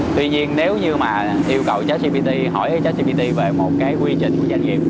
tuy nhiên nếu như mà yêu cầu chất gpt hỏi chất gpt về một cái quy trình của doanh nghiệp